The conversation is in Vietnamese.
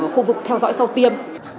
khu vực theo dõi sau tiêm